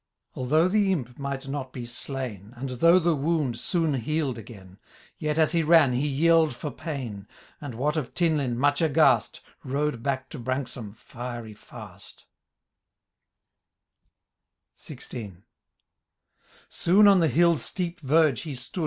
Although the imp might not be slain. And though the wound soon healed again. Yet, as he ran, he yell*d f©r pain ; And Watt of Tinlinn, much aghast. Rode back to Branksome fiery fast XVI. Soon on the hill^s steep verge he stood.